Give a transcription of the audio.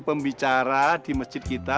pembicara di masjid kita